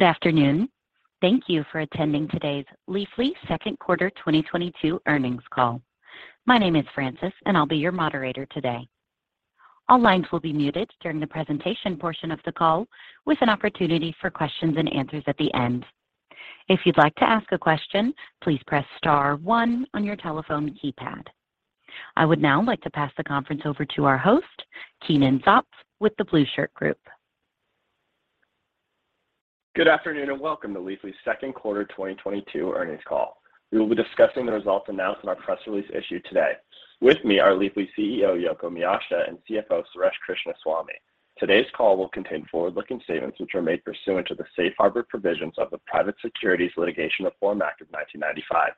Good afternoon. Thank you for attending today's Leafly Q2 2022 earnings call. My name is Francis, and I'll be your moderator today. All lines will be muted during the presentation portion of the call, with an opportunity for questions and answers at the end. If you'd like to ask a question, please press star one on your telephone keypad. I would now like to pass the conference over to our host, Keenan Zopf with The Blueshirt Group. Good afternoon, and welcome to Leafly's Q2 2022 earnings call. We will be discussing the results announced in our press release issued today. With me are Leafly CEO Yoko Miyashita and CFO Suresh Krishnaswamy. Today's call will contain forward-looking statements which are made pursuant to the Safe Harbor provisions of the Private Securities Litigation Reform Act of 1995.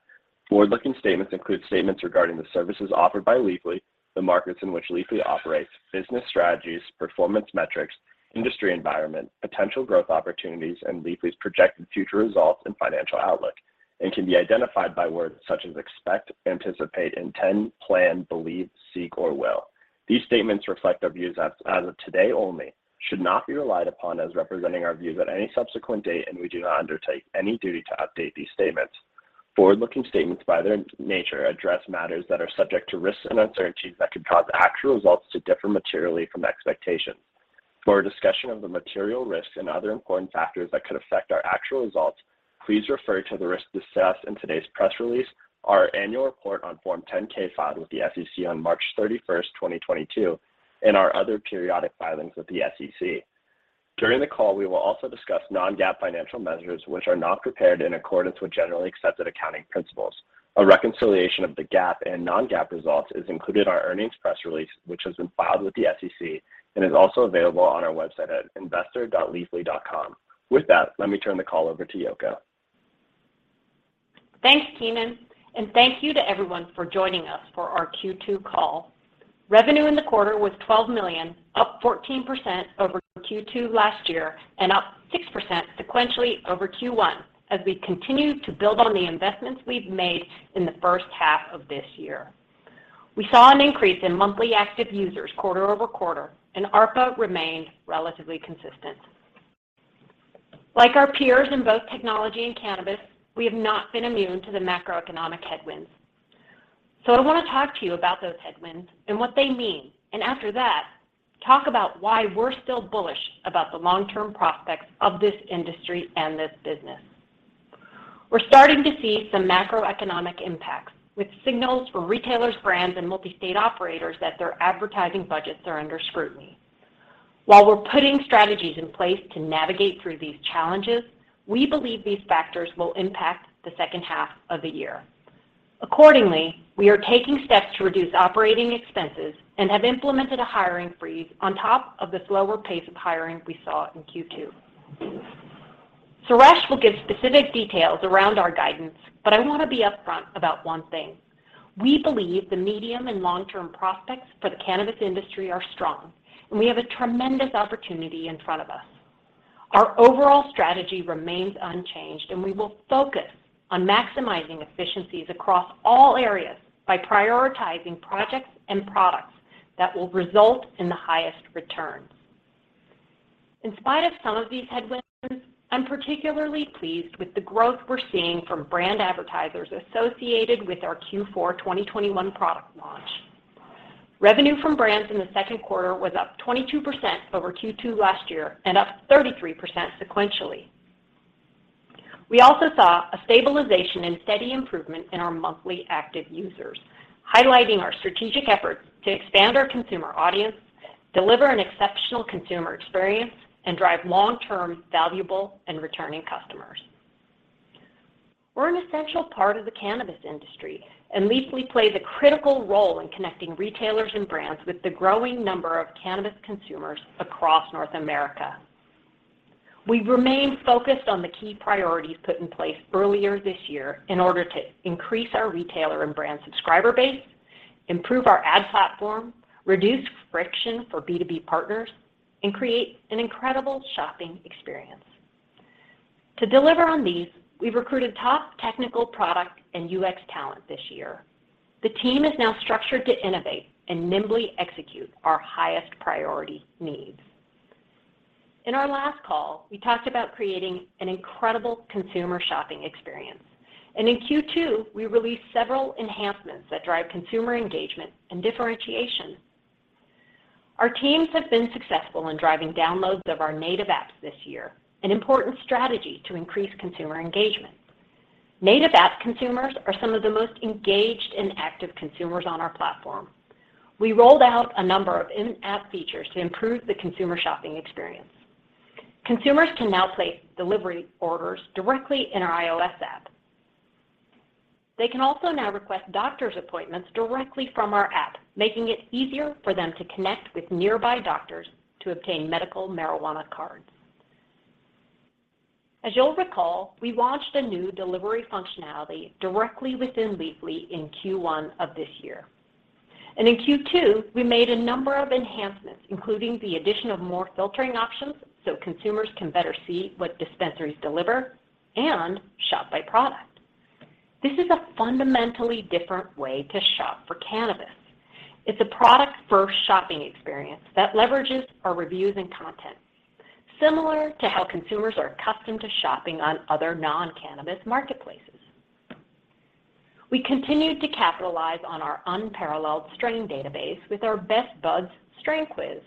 Forward-looking statements include statements regarding the services offered by Leafly, the markets in which Leafly operates, business strategies, performance metrics, industry environment, potential growth opportunities, and Leafly's projected future results and financial outlook, and can be identified by words such as expect, anticipate, intend, plan, believe, seek, or will. These statements reflect our views as of today only, should not be relied upon as representing our views at any subsequent date, and we do not undertake any duty to update these statements. Forward-looking statements, by their nature, address matters that are subject to risks and uncertainties that could cause actual results to differ materially from expectations. For a discussion of the material risks and other important factors that could affect our actual results, please refer to the risks discussed in today's press release, our annual report on Form 10-K filed with the SEC on March 31, 2022, and our other periodic filings with the SEC. During the call, we will also discuss non-GAAP financial measures, which are not prepared in accordance with generally accepted accounting principles. A reconciliation of the GAAP and non-GAAP results is included in our earnings press release, which has been filed with the SEC and is also available on our website at investor.Leafly.com. With that, let me turn the call over to Yoko. Thanks, Keenan, and thank you to everyone for joining us for our Q2 call. Revenue in the quarter was $12 million, up 14% over Q2 last year and up 6% sequentially over Q1 as we continue to build on the investments we've made in the first half of this year. We saw an increase in monthly active users quarter-over-quarter, and ARPA remained relatively consistent. Like our peers in both technology and cannabis, we have not been immune to the macroeconomic headwinds. I want to talk to you about those headwinds and what they mean, and after that, talk about why we're still bullish about the long-term prospects of this industry and this business. We're starting to see some macroeconomic impacts, with signals for retailers, brands, and multi-state operators that their advertising budgets are under scrutiny. While we're putting strategies in place to navigate through these challenges, we believe these factors will impact the second half of the year. Accordingly, we are taking steps to reduce operating expenses and have implemented a hiring freeze on top of the slower pace of hiring we saw in Q2. Suresh will give specific details around our guidance, but I want to be upfront about one thing. We believe the medium and long-term prospects for the cannabis industry are strong, and we have a tremendous opportunity in front of us. Our overall strategy remains unchanged, and we will focus on maximizing efficiencies across all areas by prioritizing projects and products that will result in the highest returns. In spite of some of these headwinds, I'm particularly pleased with the growth we're seeing from brand advertisers associated with our Q4 2021 product launch. Revenue from brands in the Q2 was up 22% over Q2 last year and up 33% sequentially. We also saw a stabilization and steady improvement in our monthly active users, highlighting our strategic efforts to expand our consumer audience, deliver an exceptional consumer experience, and drive long-term valuable and returning customers. We're an essential part of the cannabis industry, and Leafly plays a critical role in connecting retailers and brands with the growing number of cannabis consumers across North America. We remain focused on the key priorities put in place earlier this year in order to increase our retailer and brand subscriber base, improve our ad platform, reduce friction for B2B partners, and create an incredible shopping experience. To deliver on these, we've recruited top technical product and UX talent this year. The team is now structured to innovate and nimbly execute our highest priority needs. In our last call, we talked about creating an incredible consumer shopping experience. In Q2, we released several enhancements that drive consumer engagement and differentiation. Our teams have been successful in driving downloads of our native apps this year, an important strategy to increase consumer engagement. Native app consumers are some of the most engaged and active consumers on our platform. We rolled out a number of in-app features to improve the consumer shopping experience. Consumers can now place delivery orders directly in our iOS app. They can also now request doctor's appointments directly from our app, making it easier for them to connect with nearby doctors to obtain medical marijuana cards. As you'll recall, we launched a new delivery functionality directly within Leafly in Q1 of this year. In Q2, we made a number of enhancements, including the addition of more filtering options so consumers can better see what dispensaries deliver and shop by product. This is a fundamentally different way to shop for cannabis. It's a product-first shopping experience that leverages our reviews and content, similar to how consumers are accustomed to shopping on other non-cannabis marketplaces. We continued to capitalize on our unparalleled strain database with our Best Buds strain quiz.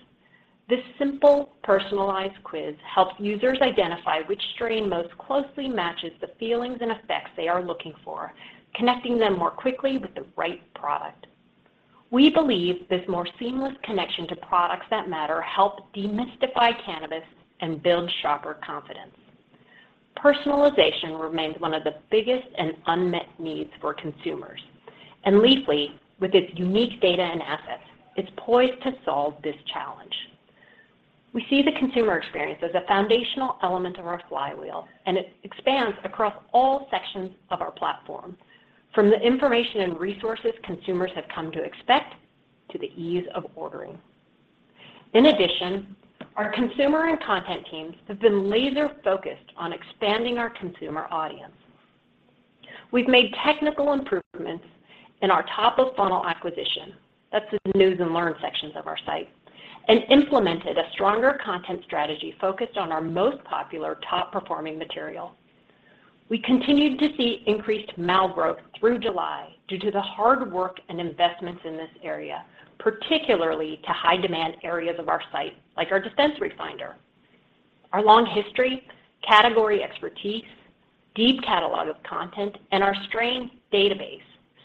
This simple, personalized quiz helps users identify which strain most closely matches the feelings and effects they are looking for, connecting them more quickly with the right product. We believe this more seamless connection to products that matter help demystify cannabis and build shopper confidence. Personalization remains one of the biggest and unmet needs for consumers, and Leafly, with its unique data and assets, is poised to solve this challenge. We see the consumer experience as a foundational element of our flywheel, and it expands across all sections of our platform, from the information and resources consumers have come to expect to the ease of ordering. In addition, our consumer and content teams have been laser-focused on expanding our consumer audience. We've made technical improvements in our top-of-funnel acquisition, that's the news and learn sections of our site, and implemented a stronger content strategy focused on our most popular top-performing material. We continued to see increased MAU growth through July due to the hard work and investments in this area, particularly to high-demand areas of our site, like our dispensary finder. Our long history, category expertise, deep catalog of content, and our strain database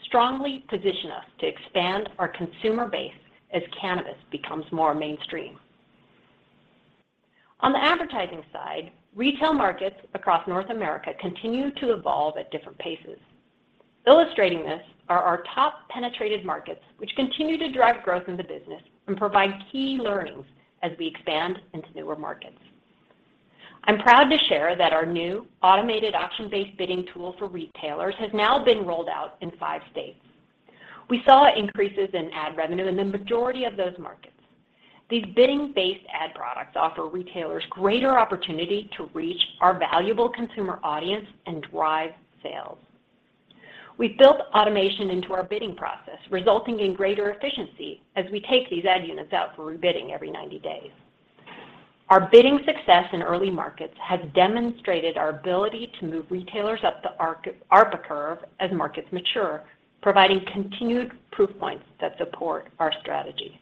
strongly position us to expand our consumer base as cannabis becomes more mainstream. On the advertising side, retail markets across North America continue to evolve at different paces. Illustrating this are our top-penetrated markets, which continue to drive growth in the business and provide key learnings as we expand into newer markets. I'm proud to share that our new automated auction-based bidding tool for retailers has now been rolled out in five states. We saw increases in ad revenue in the majority of those markets. These bidding-based ad products offer retailers greater opportunity to reach our valuable consumer audience and drive sales. We've built automation into our bidding process, resulting in greater efficiency as we take these ad units out for rebidding every 90 days. Our bidding success in early markets has demonstrated our ability to move retailers up the ARPA curve as markets mature, providing continued proof points that support our strategy.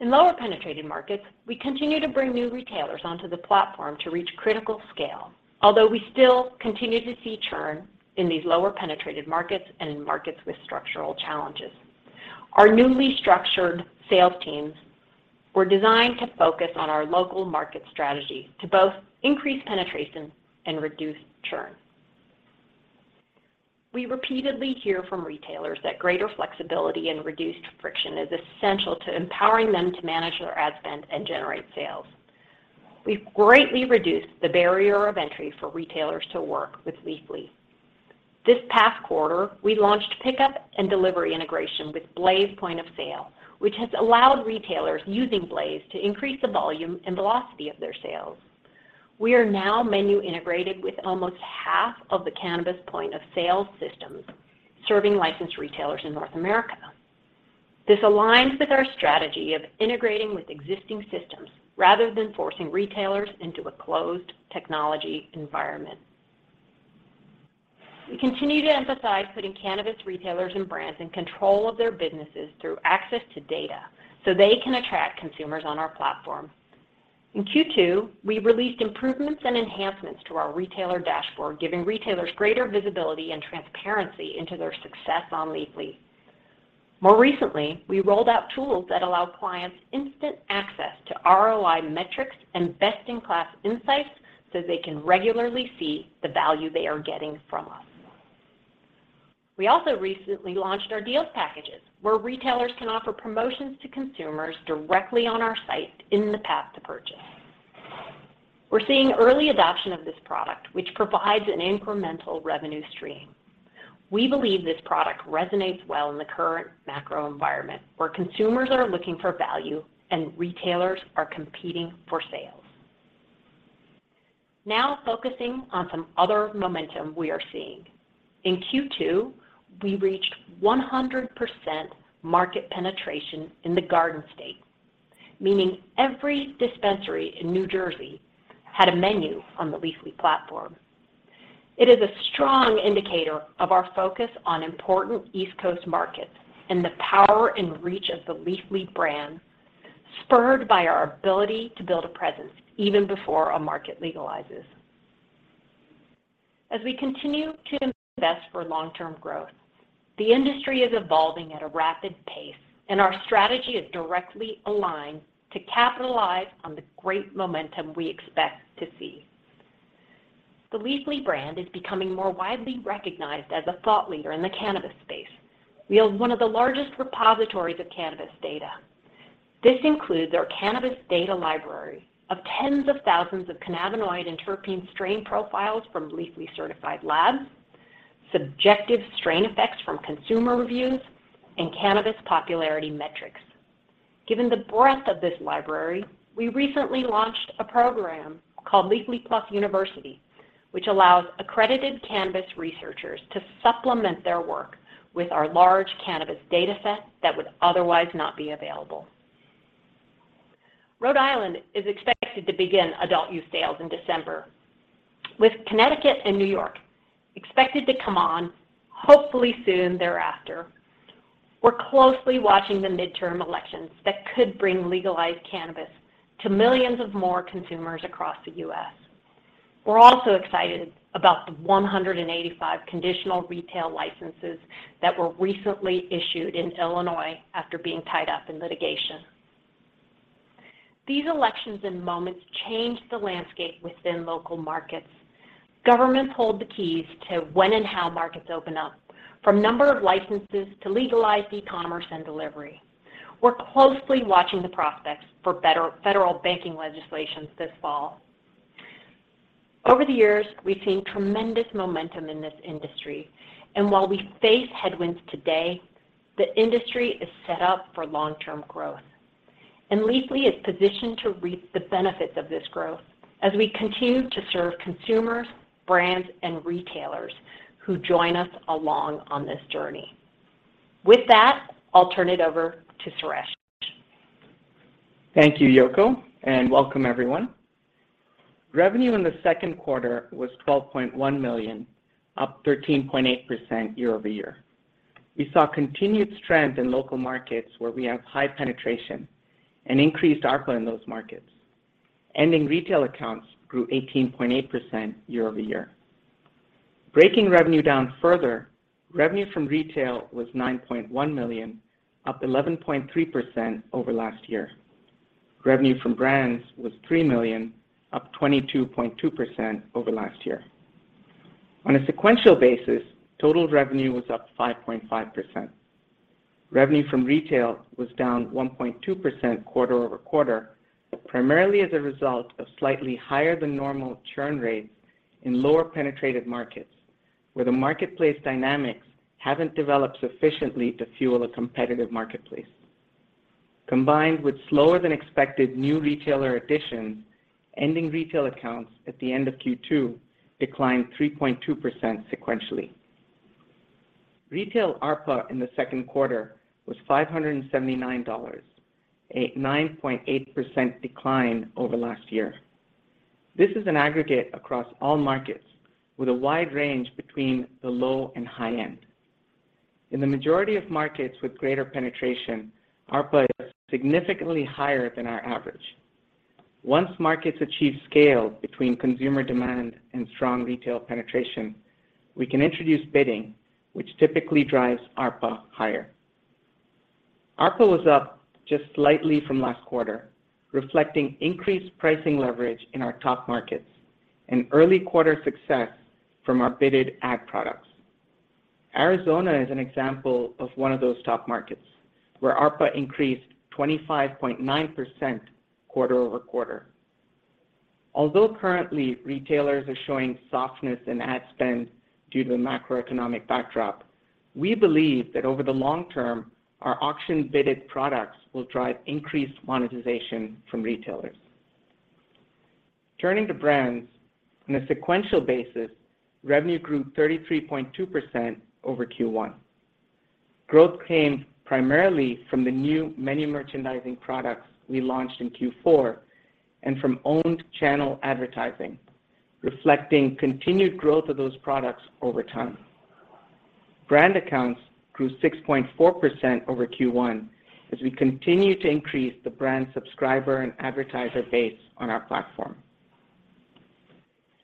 In lower-penetrated markets, we continue to bring new retailers onto the platform to reach critical scale, although we still continue to see churn in these lower-penetrated markets and in markets with structural challenges. Our newly structured sales teams were designed to focus on our local market strategy to both increase penetration and reduce churn. We repeatedly hear from retailers that greater flexibility and reduced friction is essential to empowering them to manage their ad spend and generate sales. We've greatly reduced the barrier of entry for retailers to work with Leafly. This past quarter, we launched pickup and delivery integration with BLAZE Point of Sale, which has allowed retailers using BLAZE to increase the volume and velocity of their sales. We are now menu-integrated with almost half of the cannabis point-of-sale systems serving licensed retailers in North America. This aligns with our strategy of integrating with existing systems rather than forcing retailers into a closed technology environment. We continue to emphasize putting cannabis retailers and brands in control of their businesses through access to data so they can attract consumers on our platform. In Q2, we released improvements and enhancements to our retailer dashboard, giving retailers greater visibility and transparency into their success on Leafly. More recently, we rolled out tools that allow clients instant access to ROI metrics and best-in-class insights so they can regularly see the value they are getting from us. We also recently launched our Deals packages, where retailers can offer promotions to consumers directly on our site in the path to purchase. We're seeing early adoption of this product, which provides an incremental revenue stream. We believe this product resonates well in the current macro environment, where consumers are looking for value and retailers are competing for sales. Now focusing on some other momentum we are seeing. In Q2, we reached 100% market penetration in the Garden State, meaning every dispensary in New Jersey had a menu on the Leafly platform. It is a strong indicator of our focus on important East Coast markets and the power and reach of the Leafly brand, spurred by our ability to build a presence even before a market legalizes. As we continue to invest for long-term growth, the industry is evolving at a rapid pace, and our strategy is directly aligned to capitalize on the great momentum we expect to see. The Leafly brand is becoming more widely recognized as a thought leader in the cannabis space. We have one of the largest repositories of cannabis data. This includes our cannabis data library of tens of thousands of cannabinoid and terpene strain profiles from Leafly-certified labs, subjective strain effects from consumer reviews, and cannabis popularity metrics. Given the breadth of this library, we recently launched a program called Leafly + University, which allows accredited cannabis researchers to supplement their work with our large cannabis data set that would otherwise not be available. Rhode Island is expected to begin adult-use sales in December, with Connecticut and New York expected to come on hopefully soon thereafter. We're closely watching the midterm elections that could bring legalized cannabis to millions of more consumers across the U.S. We're also excited about the 185 conditional retail licenses that were recently issued in Illinois after being tied up in litigation. These elections and moments change the landscape within local markets. Governments hold the keys to when and how markets open up, from number of licenses to legalized e-commerce and delivery. We're closely watching the prospects for federal banking legislation this fall. Over the years, we've seen tremendous momentum in this industry, and while we face headwinds today, the industry is set up for long-term growth. Leafly is positioned to reap the benefits of this growth as we continue to serve consumers, brands, and retailers who join us along on this journey. With that, I'll turn it over to Suresh. Thank you, Yoko, and welcome everyone. Revenue in the Q2 was $12.1 million, up 13.8% year-over-year. We saw continued strength in local markets where we have high penetration and increased ARPA in those markets. Ending retail accounts grew 18.8% year-over-year. Breaking revenue down further, revenue from retail was $9.1 million, up 11.3% over last year. Revenue from brands was $3 million, up 22.2% over last year. On a sequential basis, total revenue was up 5.5%. Revenue from retail was down 1.2% quarter-over-quarter, primarily as a result of slightly higher-than-normal churn rates in lower-penetrated markets where the marketplace dynamics haven't developed sufficiently to fuel a competitive marketplace. Combined with slower-than-expected new retailer additions, ending retail accounts at the end of Q2 declined 3.2% sequentially. Retail ARPA in the Q2 was $579, a 9.8% decline year-over-year. This is an aggregate across all markets with a wide range between the low and high end. In the majority of markets with greater penetration, ARPA is significantly higher than our average. Once markets achieve scale between consumer demand and strong retail penetration, we can introduce bidding, which typically drives ARPA higher. ARPA was up just slightly from last quarter, reflecting increased pricing leverage in our top markets and early quarter success from our bidded ad products. Arizona is an example of one of those top markets where ARPA increased 25.9% quarter-over-quarter. Although currently retailers are showing softness in ad spend due to the macroeconomic backdrop, we believe that over the long term, our auction-bidded products will drive increased monetization from retailers. Turning to brands, on a sequential basis, revenue grew 33.2% over Q1. Growth came primarily from the new menu merchandising products we launched in Q4 and from owned channel advertising, reflecting continued growth of those products over time. Brand accounts grew 6.4% over Q1 as we continue to increase the brand subscriber and advertiser base on our platform.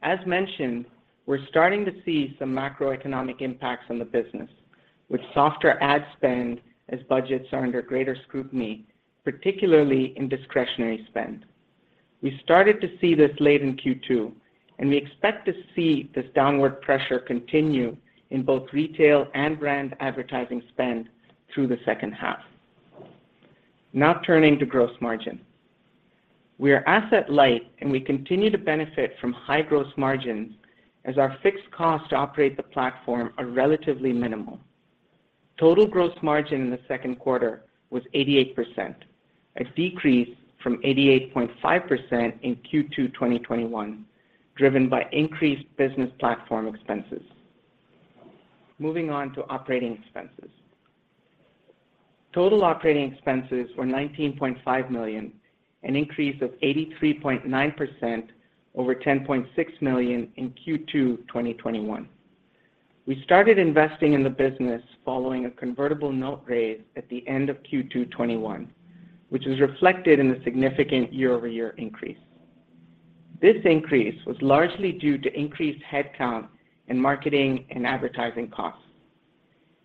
As mentioned, we're starting to see some macroeconomic impacts on the business, with softer ad spend as budgets are under greater scrutiny, particularly in discretionary spend. We started to see this late in Q2, and we expect to see this downward pressure continue in both retail and brand advertising spend through the second half. Now turning to gross margin. We are asset light and we continue to benefit from high gross margin as our fixed costs to operate the platform are relatively minimal. Total gross margin in the Q2 was 88%, a decrease from 88.5% in Q2 2021, driven by increased business platform expenses. Moving on to operating expenses. Total operating expenses were $19.5 million, an increase of 83.9% over $10.6 million in Q2 2021. We started investing in the business following a convertible note raise at the end of Q2 2021, which is reflected in the significant year-over-year increase. This increase was largely due to increased headcount in marketing and advertising costs.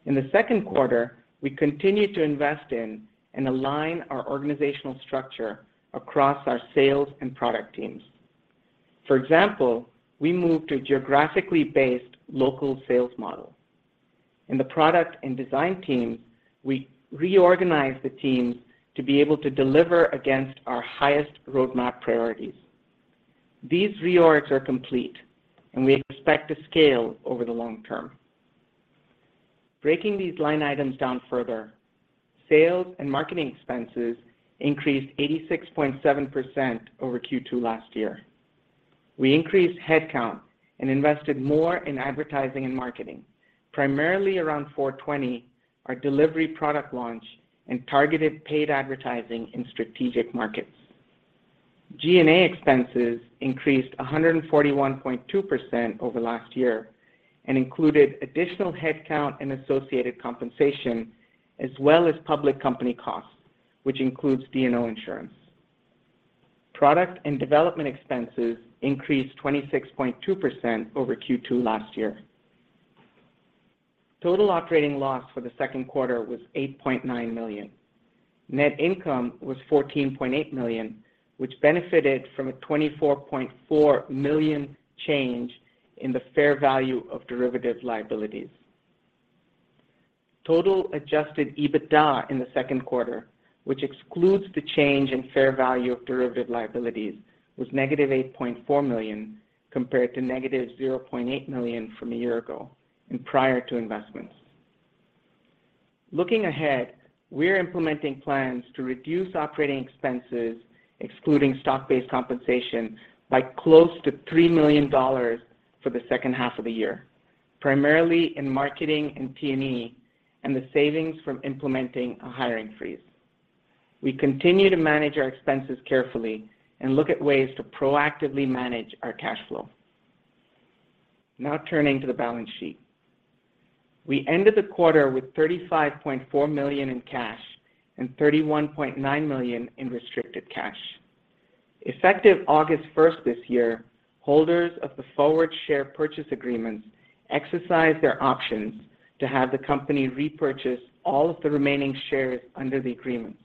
In the Q2, we continued to invest in and align our organizational structure across our sales and product teams. For example, we moved to a geographically based local sales model. In the product and design teams, we reorganized the teams to be able to deliver against our highest roadmap priorities. These reorgs are complete, and we expect to scale over the long term. Breaking these line items down further, sales and marketing expenses increased 86.7% over Q2 last year. We increased headcount and invested more in advertising and marketing, primarily around 420, our delivery product launch, and targeted paid advertising in strategic markets. G&A expenses increased 141.2% over last year and included additional headcount and associated compensation as well as public company costs, which includes D&O insurance. Product and development expenses increased 26.2% over Q2 last year. Total operating loss for the Q2 was $8.9 million. Net income was $14.8 million, which benefited from a $24.4 million change in the fair value of derivative liabilities. Total adjusted EBITDA in the Q2, which excludes the change in fair value of derivative liabilities, was negative $8.4 million compared to negative $0.8 million from a year ago and prior to investments. Looking ahead, we're implementing plans to reduce operating expenses, excluding stock-based compensation, by close to $3 million for the second half of the year, primarily in marketing and P&E and the savings from implementing a hiring freeze. We continue to manage our expenses carefully and look at ways to proactively manage our cash flow. Now turning to the balance sheet. We ended the quarter with $35.4 million in cash and $31.9 million in restricted cash. Effective August first this year, holders of the forward share purchase agreements exercised their options to have the company repurchase all of the remaining shares under the agreements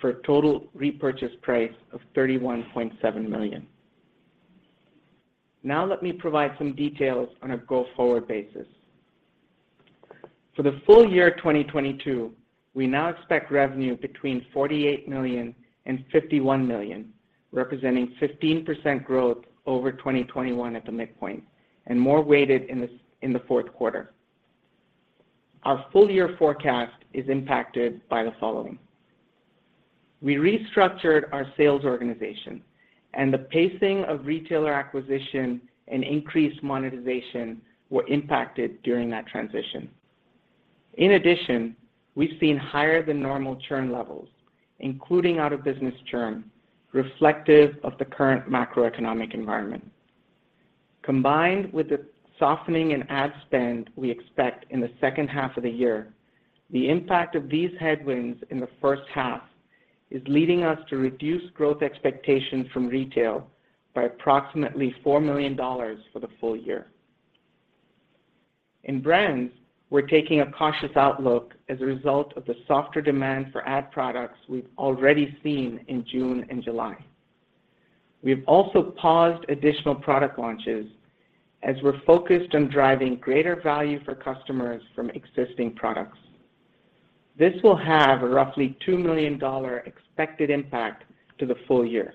for a total repurchase price of $31.7 million. Now let me provide some details on a go-forward basis. For the full year 2022, we now expect revenue between $48 million and $51 million, representing 15% growth over 2021 at the midpoint and more weighted in the Q4. Our full-year forecast is impacted by the following. We restructured our sales organization, and the pacing of retailer acquisition and increased monetization were impacted during that transition. In addition, we've seen higher than normal churn levels, including out-of-business churn, reflective of the current macroeconomic environment. Combined with the softening in ad spend we expect in the second half of the year, the impact of these headwinds in the first half is leading us to reduce growth expectations from retail by approximately $4 million for the full year. In brands, we're taking a cautious outlook as a result of the softer demand for ad products we've already seen in June and July. We've also paused additional product launches as we're focused on driving greater value for customers from existing products. This will have a roughly $2 million expected impact to the full year.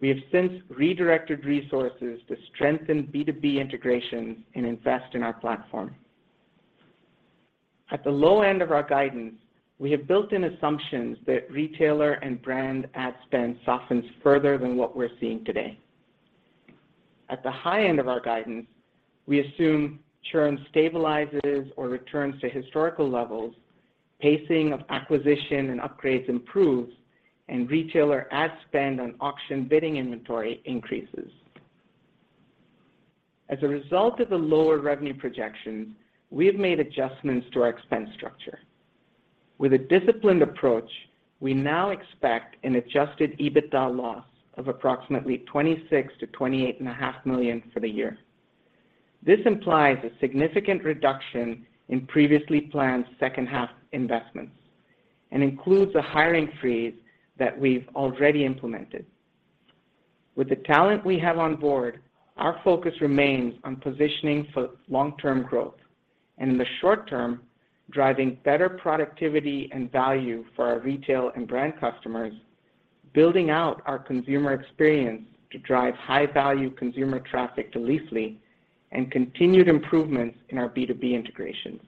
We have since redirected resources to strengthen B2B integrations and invest in our platform. At the low end of our guidance, we have built-in assumptions that retailer and brand ad spend softens further than what we're seeing today. At the high end of our guidance, we assume churn stabilizes or returns to historical levels, pacing of acquisition and upgrades improves, and retailer ad spend on auction bidding inventory increases. As a result of the lower revenue projections, we have made adjustments to our expense structure. With a disciplined approach, we now expect an adjusted EBITDA loss of approximately $26 million-$28.5 million for the year. This implies a significant reduction in previously planned second-half investments and includes a hiring freeze that we've already implemented. With the talent we have on board, our focus remains on positioning for long-term growth and, in the short term, driving better productivity and value for our retail and brand customers, building out our consumer experience to drive high-value consumer traffic to Leafly, and continued improvements in our B2B integrations,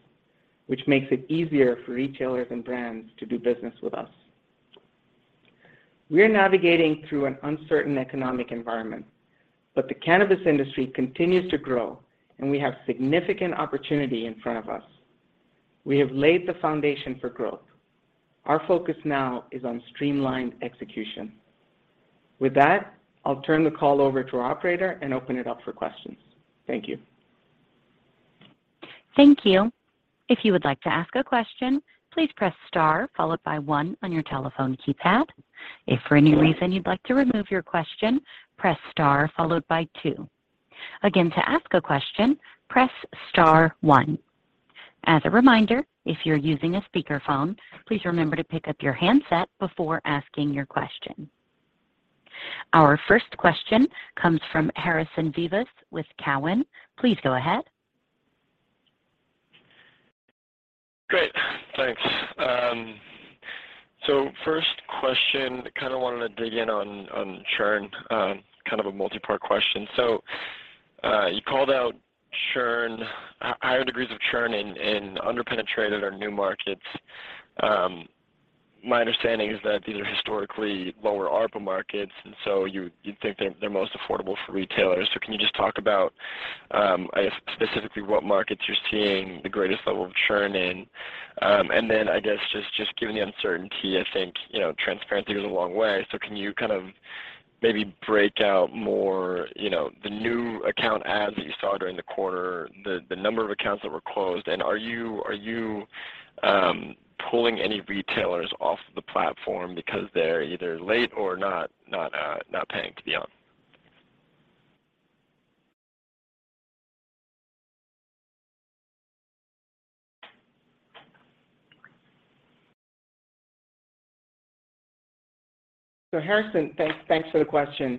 which makes it easier for retailers and brands to do business with us. We are navigating through an uncertain economic environment, but the cannabis industry continues to grow, and we have significant opportunity in front of us. We have laid the foundation for growth. Our focus now is on streamlined execution. With that, I'll turn the call over to our operator and open it up for questions. Thank you. Thank you. If you would like to ask a question, please press star followed by one on your telephone keypad. If for any reason you'd like to remove your question, press star followed by two. Again, to ask a question, press star one. As a reminder, if you're using a speakerphone, please remember to pick up your handset before asking your question. Our first question comes from Harrison Vivas with Cowen. Please go ahead. Great. Thanks. First question, kind of wanted to dig in on churn, kind of a multipart question. You called out higher degrees of churn in under-penetrated or new markets. My understanding is that these are historically lower ARPA markets, and so you'd think they're most affordable for retailers. Can you just talk about, I guess, specifically what markets you're seeing the greatest level of churn in? And then I guess just given the uncertainty, I think, you know, transparency goes a long way. Can you kind of maybe break out more, you know, the new account adds that you saw during the quarter, the number of accounts that were closed, and are you pulling any retailers off the platform because they're either late or not paying to be on? Harrison, thanks for the question.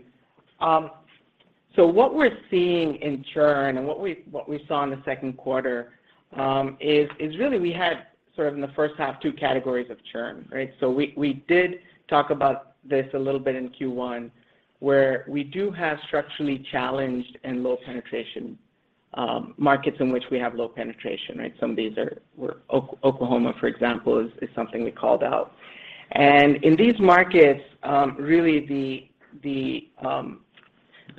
What we're seeing in churn and what we saw in the Q2 is really we had sort of in the first half two categories of churn, right? We did talk about this a little bit in Q1, where we do have structurally challenged and low penetration markets in which we have low penetration, right? Some of these were Oklahoma, for example, is something we called out. In these markets, really the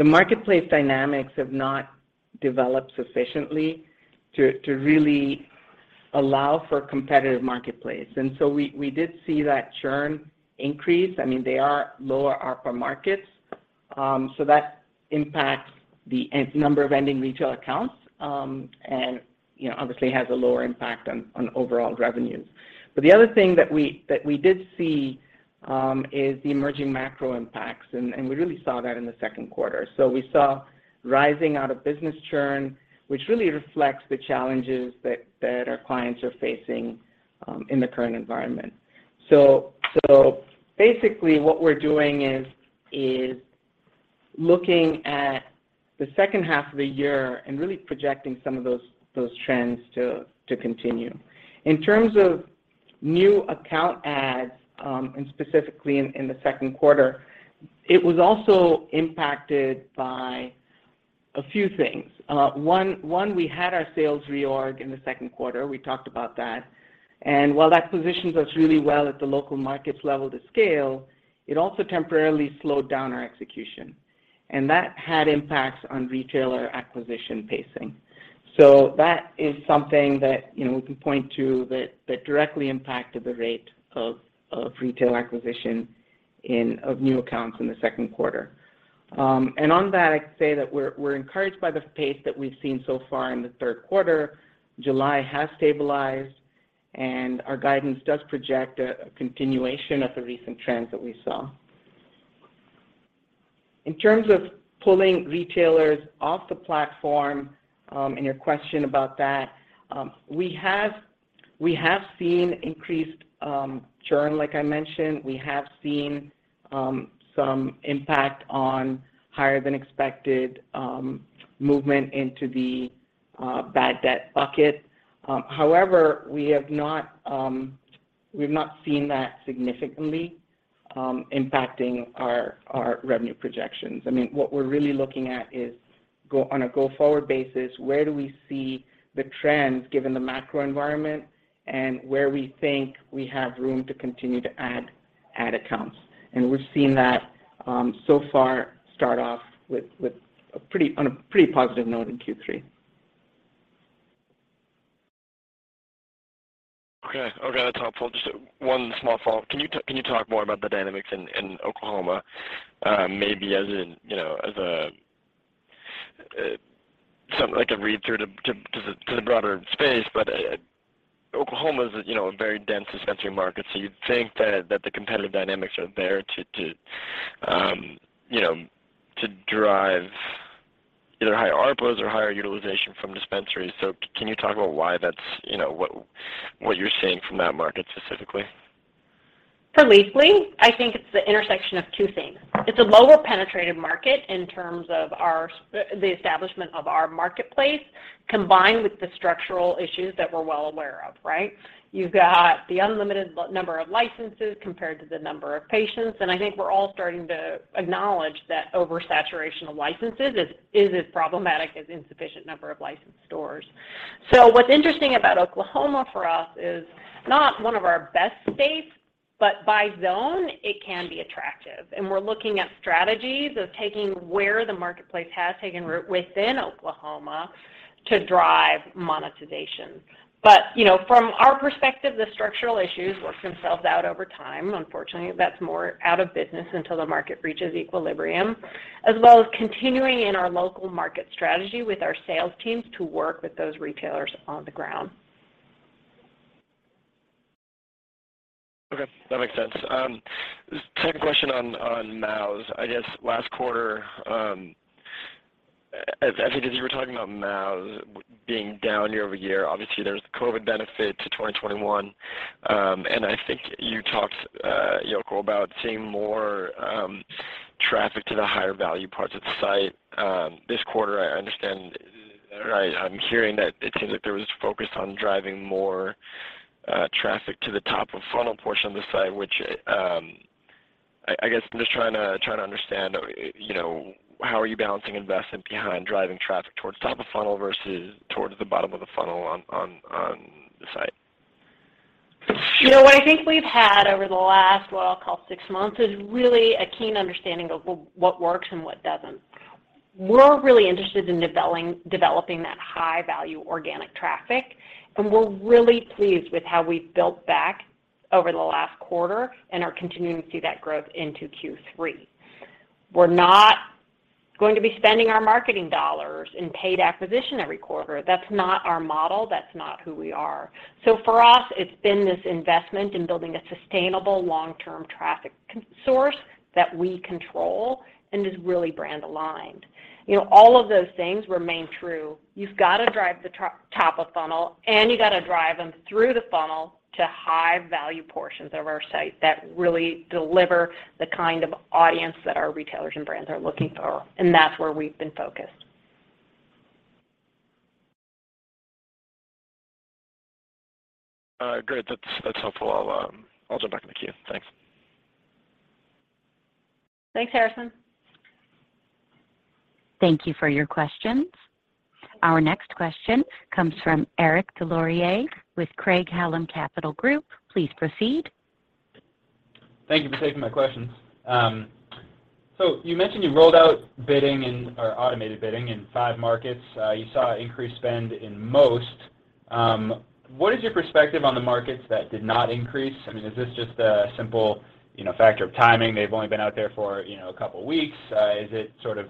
marketplace dynamics have not developed sufficiently to really allow for competitive marketplace. We did see that churn increase. I mean, they are lower ARPA markets, so that impacts the ending number of retail accounts, and you know, obviously has a lower impact on overall revenues. The other thing that we did see is the emerging macro impacts and we really saw that in the Q2. We saw rising out-of-business churn, which really reflects the challenges that our clients are facing in the current environment. Basically what we're doing is looking at the second half of the year and really projecting some of those trends to continue. In terms of new account adds and specifically in the Q2, it was also impacted by a few things. One, we had our sales reorg in the Q2. We talked about that. While that positions us really well at the local markets level to scale, it also temporarily slowed down our execution. That had impacts on retailer acquisition pacing. That is something that, you know, we can point to that directly impacted the rate of retail acquisition of new accounts in the Q2. On that, I'd say that we're encouraged by the pace that we've seen so far in the Q3. July has stabilized, and our guidance does project a continuation of the recent trends that we saw. In terms of pulling retailers off the platform, and your question about that, we have seen increased churn, like I mentioned. We have seen some impact on higher than expected movement into the bad debt bucket. However, we've not seen that significantly impacting our revenue projections. I mean, what we're really looking at is on a go-forward basis, where do we see the trends given the macro environment and where we think we have room to continue to add accounts. We're seeing that so far, starting off on a pretty positive note in Q3. Okay. That's helpful. Just one small follow-up. Can you talk more about the dynamics in Oklahoma? Maybe as in, you know, as a something like a read-through to the broader space, but Oklahoma is, you know, a very dense dispensary market, so you'd think that the competitive dynamics are there to, you know, to drive either higher ARPAS or higher utilization from dispensaries. Can you talk about why that's, you know, what you're seeing from that market specifically? For Leafly, I think it's the intersection of two things. It's a lower penetration market in terms of the establishment of our marketplace, combined with the structural issues that we're well aware of, right? You've got the unlimited number of licenses compared to the number of patients, and I think we're all starting to acknowledge that oversaturation of licenses is as problematic as insufficient number of licensed stores. What's interesting about Oklahoma for us is not one of our best states, but by zone, it can be attractive. We're looking at strategies of taking where the marketplace has taken root within Oklahoma to drive monetization. You know, from our perspective, the structural issues work themselves out over time. Unfortunately, that's more out of business until the market reaches equilibrium, as well as continuing in our local market strategy with our sales teams to work with those retailers on the ground. Okay. That makes sense. Second question on MAUs. I guess last quarter, as you were talking about MAUs being down year-over-year, obviously, there's the COVID benefit to 2021. And I think you talked, Yoko, about seeing more traffic to the higher value parts of the site. This quarter, I understand. Right. I'm hearing that it seems like there was focus on driving more traffic to the top of funnel portion of the site, which, I guess I'm just trying to understand, you know, how are you balancing investment behind driving traffic towards top of funnel versus towards the bottom of the funnel on the site? You know what I think we've had over the last, what I'll call six months, is really a keen understanding of what works and what doesn't. We're really interested in developing that high value organic traffic, and we're really pleased with how we've built back over the last quarter and are continuing to see that growth into Q3. We're not going to be spending our marketing dollars in paid acquisition every quarter. That's not our model. That's not who we are. For us, it's been this investment in building a sustainable long-term traffic content source that we control and is really brand aligned. You know, all of those things remain true. You've got to drive the top of funnel, and you've got to drive them through the funnel to high value portions of our site that really deliver the kind of audience that our retailers and brands are looking for, and that's where we've been focused. Great. That's helpful. I'll jump back in the queue. Thanks. Thanks, Harrison. Thank you for your questions. Our next question comes from Eric Des Lauriers with Craig-Hallum Capital Group. Please proceed. Thank you for taking my questions. So you mentioned you rolled out bidding in or automated bidding in 5 markets. You saw increased spend in most. What is your perspective on the markets that did not increase? I mean, is this just a simple, you know, factor of timing, they've only been out there for, you know, a couple of weeks? Is it sort of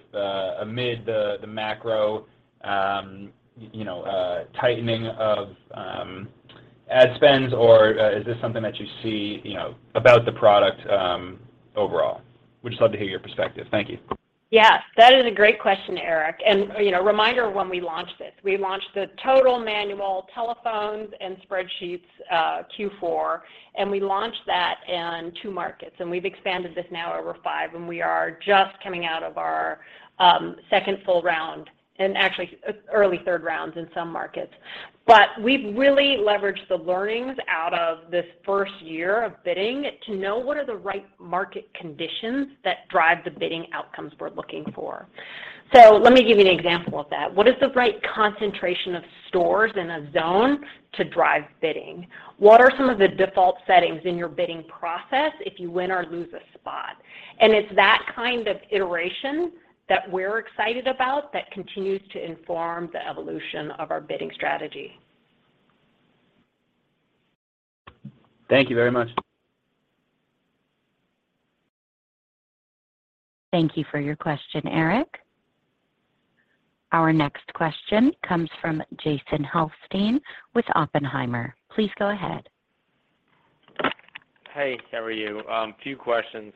amid the macro, you know, tightening of ad spends, or is this something that you see, you know, about the product overall? We'd just love to hear your perspective. Thank you. Yes, that is a great question, Eric. You know, a reminder of when we launched this. We launched this totally manual, telephones and spreadsheets, Q4, and we launched that in 2 markets, and we've expanded this now over 5, and we are just coming out of our second full round and actually early third rounds in some markets. We've really leveraged the learnings out of this first year of bidding to know what are the right market conditions that drive the bidding outcomes we're looking for. Let me give you an example of that. What is the right concentration of stores in a zone to drive bidding? What are some of the default settings in your bidding process if you win or lose a spot? It's that kind of iteration that we're excited about that continues to inform the evolution of our bidding strategy. Thank you very much. Thank you for your question, Eric. Our next question comes from Jason Helfstein with Oppenheimer. Please go ahead. Hey, how are you? A few questions.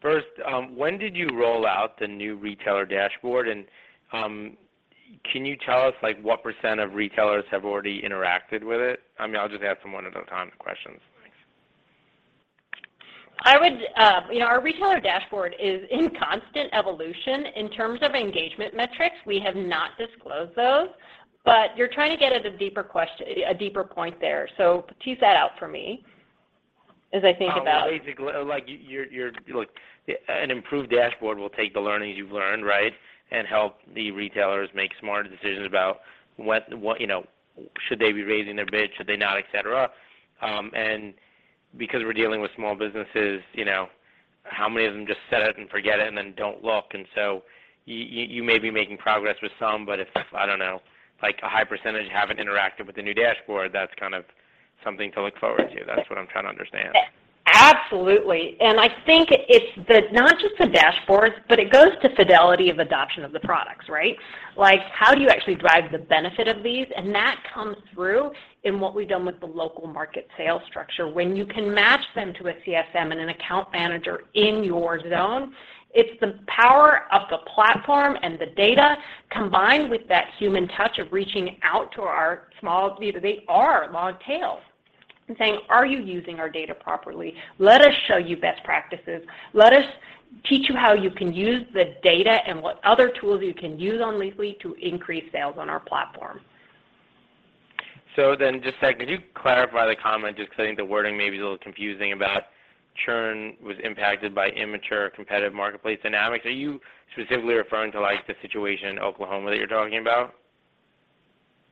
First, when did you roll out the new retailer dashboard, and can you tell us, like, what % of retailers have already interacted with it? I mean, I'll just ask them one at a time questions. Thanks. You know, our retailer dashboard is in constant evolution. In terms of engagement metrics, we have not disclosed those. You're trying to get at a deeper point there, so tease that out for me as I think about. Basically, an improved dashboard will take the learnings you've learned, right? And help the retailers make smarter decisions about what you know, should they be raising their bid, should they not, et cetera. Because we're dealing with small businesses, you know, how many of them just set it and forget it and then don't look. You may be making progress with some, but if, I don't know, like a high percentage haven't interacted with the new dashboard, that's kind of something to look forward to. That's what I'm trying to understand. Absolutely. I think it's the, not just the dashboards, but it goes to fidelity of adoption of the products, right? Like, how do you actually drive the benefit of these? That comes through in what we've done with the local market sales structure. When you can match them to a CSM and an account manager in your zone, it's the power of the platform and the data combined with that human touch of reaching out to our small, you know, they are long tail and saying, "Are you using our data properly? Let us show you best practices. Let us teach you how you can use the data and what other tools you can use on Leafly to increase sales on our platform. Just, could you clarify the comment, just because I think the wording may be a little confusing, about churn was impacted by immature competitive marketplace dynamics. Are you specifically referring to, like, the situation in Oklahoma that you're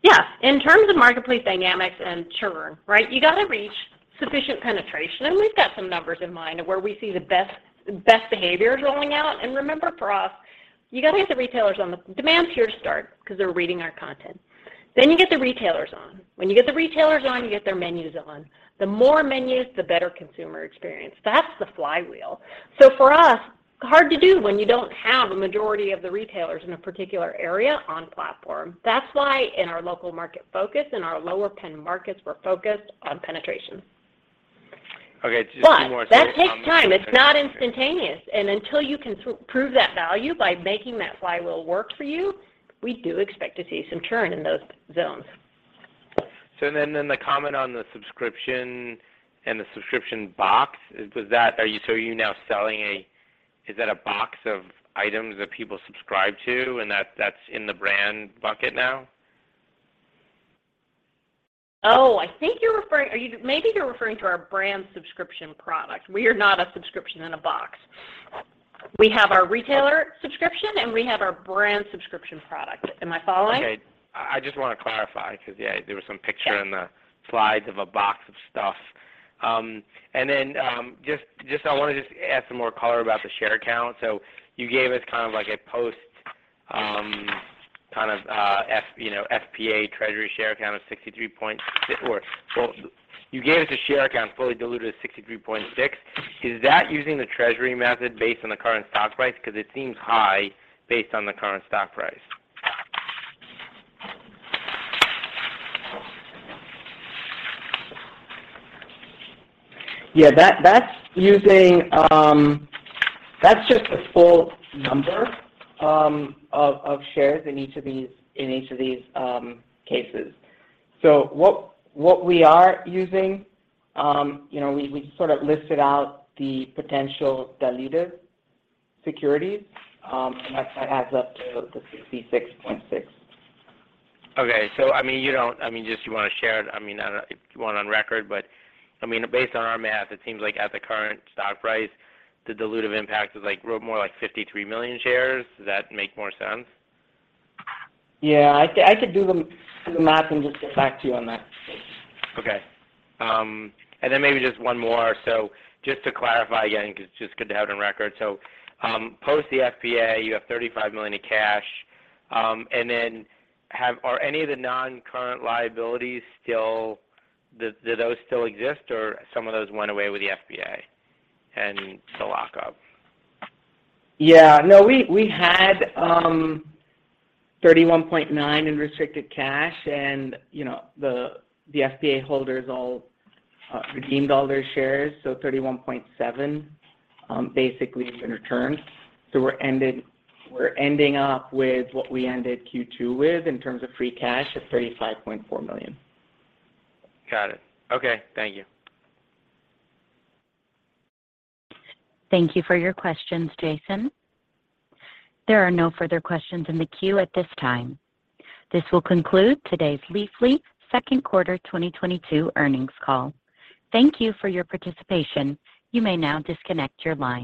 talking about? Yes. In terms of marketplace dynamics and churn, right, you got to reach sufficient penetration. We've got some numbers in mind of where we see the best behaviors rolling out. Remember, for us, you got to get the retailers on the. Demand's here to start because they're reading our content. You get the retailers on. When you get the retailers on, you get their menus on. The more menus, the better consumer experience. That's the flywheel. For us, hard to do when you don't have a majority of the retailers in a particular area on platform. That's why in our local market focus, in our lower pen markets, we're focused on penetration. Okay. Just 2 more. That takes time. It's not instantaneous. Until you can prove that value by making that flywheel work for you, we do expect to see some churn in those zones. The comment on the subscription and the subscription box was that. Is that a box of items that people subscribe to and that's in the brand bucket now? Oh, I think you're referring. Maybe you're referring to our Brand Subscription product. We are not a subscription in a box. We have our Retailer Subscription, and we have our Brand Subscription product. Am I following? Okay. I just wanna clarify because, yeah, there was some picture- Yeah In the slides of a box of stuff. I wanna just add some more color about the share count. You gave us kind of like a post kind of FPA treasury share count of 63.6. You gave us a share count fully diluted of 63.6. Is that using the treasury method based on the current stock price? Because it seems high based on the current stock price. Yeah, that's using. That's just the full number of shares in each of these cases. What we are using, you know, we sort of listed out the potential diluted securities, and that adds up to the 66.6. Okay. I mean, just do you wanna share it? I mean, I don't know if you want it on record, but I mean, based on our math, it seems like at the current stock price, the dilutive impact is, like, more like 53 million shares. Does that make more sense? Yeah. I could do the math and just get back to you on that. Okay. Maybe just one more. Just to clarify, again, 'cause it's just good to have it on record. Post the FPA, you have $35 million in cash. Are any of the non-current liabilities still there? Do those still exist or some of those went away with the FPA and the lockup? Yeah. No, we had $31.9 in restricted cash and, you know, the FPA holders all redeemed all their shares, so $31.7 basically has been returned. We're ending up with what we ended Q2 with in terms of free cash of $35.4 million. Got it. Okay. Thank you. Thank you for your questions, Jason. There are no further questions in the queue at this time. This will conclude today's Leafly Q2 2022 earnings call. Thank you for your participation. You may now disconnect your line.